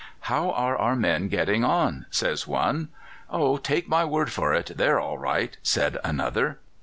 "'How are our men getting on?' says one. "'Oh, take my word for it they're all right,' says another.